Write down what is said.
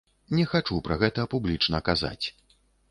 Не хачу пра гэта публічна казаць.